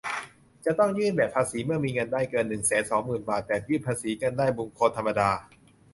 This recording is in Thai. จะต้องยื่นแบบภาษีเมื่อมีเงินได้เกิน หนึ่งแสนสองหมื่น บาท แบบยื่นภาษีเงินได้บุคคลธรรมดา